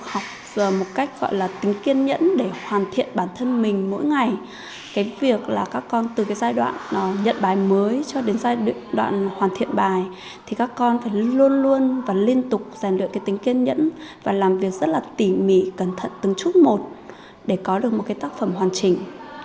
học một cách gọi là tính kiên nhẫn để hoàn thiện bản thân mình mỗi ngày cái việc là các con từ cái giai đoạn nhận bài mới cho đến giai đoạn hoàn thiện bài thì các con phải luôn luôn và liên tục rèn được cái tính kiên nhẫn và làm việc rất là tỉ mỉ cẩn thận từng chút một để có được một cái tác phẩm hoàn chỉnh